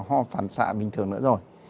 ho phản xạ bình thường nữa rồi